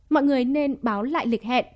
mọi người nên báo lại lịch hẹn